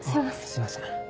すいません。